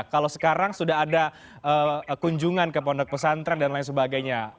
kalau sekarang sudah ada kunjungan ke pondok pesantren dan lain sebagainya